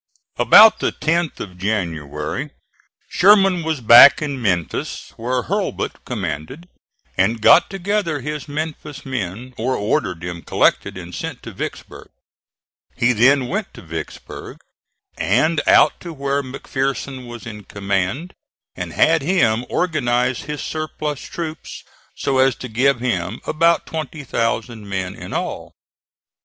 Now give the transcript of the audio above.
About the 10th of January Sherman was back in Memphis, where Hurlbut commanded, and got together his Memphis men, or ordered them collected and sent to Vicksburg. He then went to Vicksburg and out to where McPherson was in command, and had him organize his surplus troops so as to give him about 20,000 men in all.